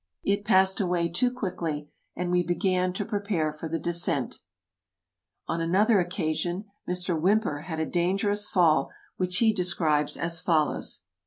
It passed away too quickly, and we began to prepare for the descent. [On another occasion Mr. Whymper had a dangerous fall, which he describes as follows.